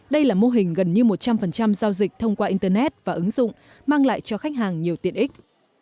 đây là mô hình gần như một trăm linh giao dịch thông qua internet và ứng dụng mang lại cho khách hàng nhiều tiện ích